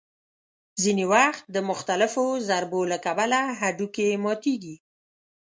ځینې وخت د مختلفو ضربو له کبله هډوکي ماتېږي.